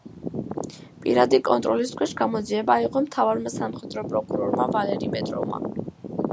პირადი კონტროლის ქვეშ გამოძიება აიღო მთავარმა სამხედრო პროკურორმა ვალერი პეტროვმა.